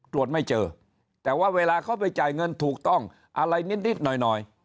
ตรวจไม่เจอแต่ว่าเวลาเขาไปจ่ายเงินถูกต้องอะไรนิดหน่อย